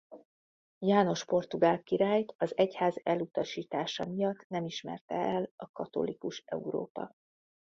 János portugál királyt az egyház elutasítása miatt nem ismerte el a katolikus Európa.